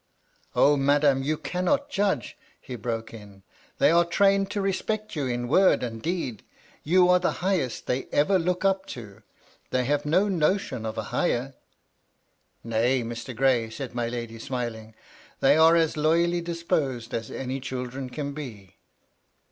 "Oh, madam, you cannot judge," he broke in, " They are trained to respect you in word and deed ; you are the highest they ever look up to ; they have no notion of a higher." " Nay, Mr. Gray,^^ said my lady, smiling, " they are as loyally disposed as any children can be.